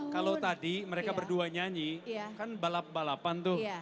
kalau tadi mereka berdua nyanyi kan balap balapan tuh